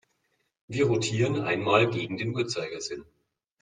Wir rotieren einmal gegen den Uhrzeigersinn.